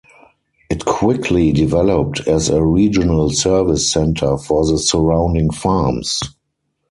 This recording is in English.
It quickly developed as a regional service center for the surrounding farms.